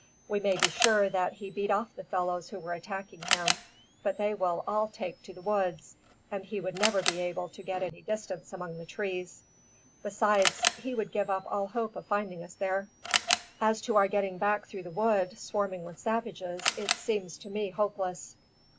We may be sure that he beat off the fellows who were attacking him, but they will all take to the woods, and he would never be able to get any distance among the trees. Besides, he would give up all hope of finding us there. As to our getting back through the wood, swarming with savages, it seems to me hopeless."